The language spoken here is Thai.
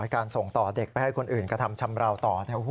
การส่งต่อเด็กไปให้คนอื่นกระทำชำราวต่อ